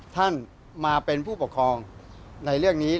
ท่านมาเป็นผู้ปกครองในเรื่องนี้